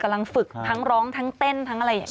กำลังฝึกทั้งร้องทั้งเต้นทั้งอะไรอย่างนี้